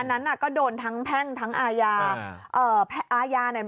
นั้นน่ะก็โดนทั้งแพ่งทั้งอาญาเอ่ออาญาเนี่ย